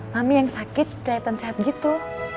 mami yang sakit kelihatan sehat gitu